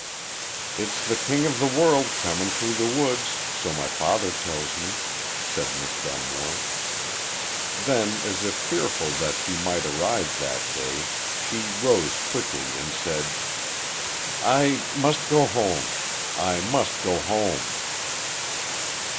"It's the king of the world coming through the woods so my father tells me," said Miss Dunmore. Then, as if fearful that he might arrive that day, she rose quickly and said: "I must go home. I must go home."